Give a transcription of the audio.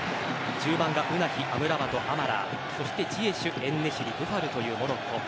中盤がウナヒアムラバト、アマラージエシュ、エンネシリブファルというモロッコ。